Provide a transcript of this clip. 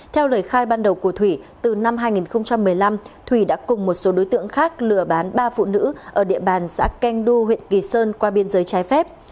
theo lời khai ban đầu của thủy từ năm hai nghìn một mươi năm thủy đã cùng một số đối tượng khác lừa bán ba phụ nữ ở địa bàn xã keng du huyện kỳ sơn qua biên giới trái phép